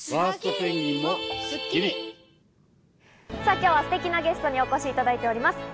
今日はステキなゲストにお越しいただいております。